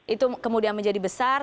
itu kemudian menjadi besar